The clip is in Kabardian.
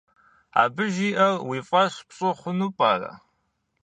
Абы жиӏэр уи фӏэщ пщӏы хъуну пӏэрэ?